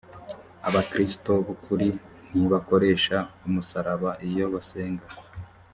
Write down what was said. abakristo b ukuri ntibakoresha umusaraba iyo basenga